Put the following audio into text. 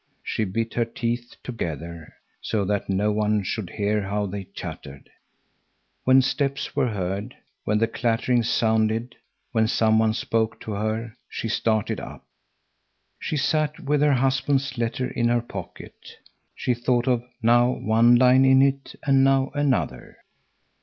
She bit her teeth together, so that no one should hear how they chattered. When steps were heard, when the clattering sounded, when some one spoke to her, she started up. She sat with her husband's letter in her pocket. She thought of now one line in it and now another.